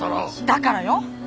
だからよ。